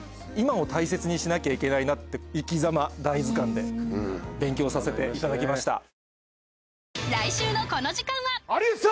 今を大切にしなきゃいけないなって『いきざま大図鑑』で勉強させていただきました。